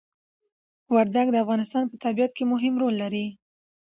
وردګ د افغانستان په طبيعت کي مهم ړول لري